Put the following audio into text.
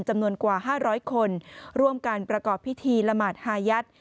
จำนวนกว่า๕๐๐คนร่วมการประกอบพิธีละหมาดฮายัด